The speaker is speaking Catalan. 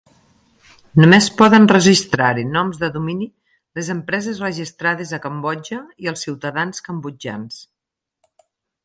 Només poden registrar-hi noms de domini les empreses registrades a Cambodja i els ciutadans cambodjans.